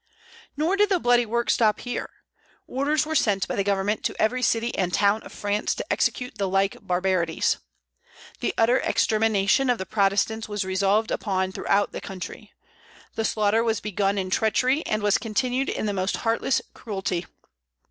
Nor did the bloody work stop here; orders were sent by the Government to every city and town of France to execute the like barbarities. The utter extermination of the Protestants was resolved upon throughout the country. The slaughter was begun in treachery and was continued in the most heartless cruelty.